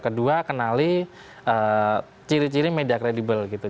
kedua kenali ciri ciri media kredibel gitu